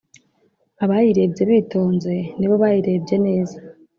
Abayirebye bitonze nibo bayirebye neza